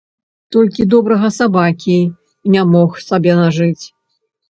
Толькі добрага сабакі не мог сабе нажыць.